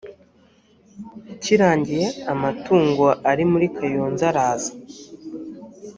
kirangiye amatungo ari muri kayonza araza